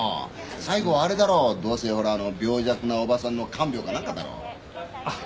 西郷はあれだろどうせ病弱なおばさんの看病か何かだろあっ